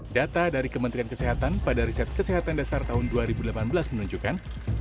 data dari kementerian kesehatan pada riset kesehatan dasar tahun dua ribu delapan belas menunjukkan